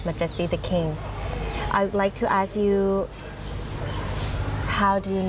และสันติภาพจริงเป็นสันติภาพที่เกิดขึ้น